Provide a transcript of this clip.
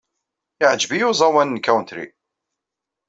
Iɛǧeb-iyi uẓawan n country.